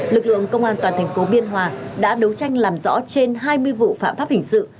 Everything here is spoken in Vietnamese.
lực lượng công an tp biên hòa đã đấu tranh làm rõ trên hai mươi vụ phạm pháp hình sự